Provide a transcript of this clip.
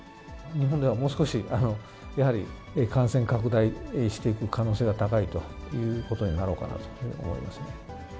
日本ではもう少し、やはり、感染拡大していく可能性が高いということになろうかなと思います。